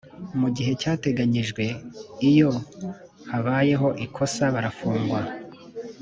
mugihe cyateganyijwe iyo habayeho ikosa barafungwa